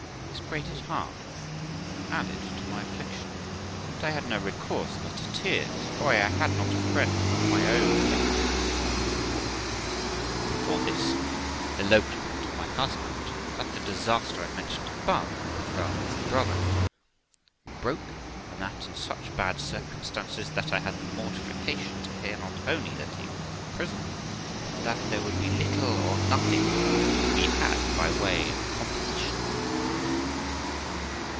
This grated hard, and added to my affliction ; but I had no recourse but to my tears, for I had not a friend of my own left me in the world. I should have observed, that it was about half a year before this elopement of my husband that the disaster I mentioned above befell my brother, who broke, and that in such bad circumstances, that I had the mortification to hear, not only that he was in prison, but that there would be little or nothing to be had by way of composition.